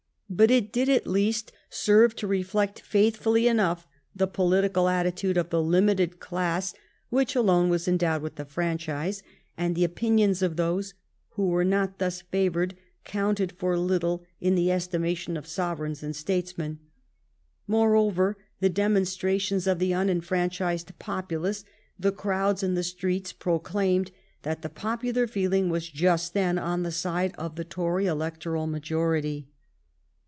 But it did at least serve to reflect faithfully enough the political attitude of the limited class which alone was endowed with the franchise, and the opinions of those who were not thus favored counted for little in the estimation of sovereigns and statesmen. Moreover, the demon strations of the unenfranchised populace, the crowds in the streets, proclaimed that the popular feeling was just then on the side of the Tory electoral majority.